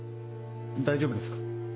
大丈夫ですか？